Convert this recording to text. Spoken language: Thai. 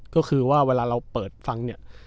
แต่ตอนเราเปิดฟังเนี่ย